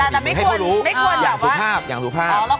แต่ไม่ควรอย่างสุภาพ